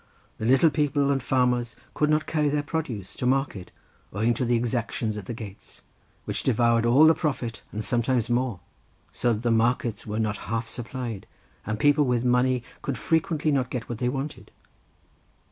The little people and farmers could not carry their produce to market owing to the exactions at the gates, which devoured all the profit and sometimes more. So that the markets were not half supplied, and people with money could frequently not get what they wanted.